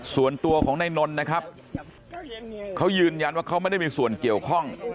ส่วนตัวของนายนนท์นะครับเขายืนยันว่าเขาไม่ได้มีส่วนเกี่ยวข้อง